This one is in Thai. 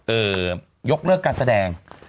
ยกเลิกการแสดง